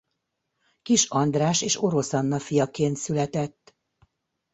Kiss András és Orosz Anna fiaként született.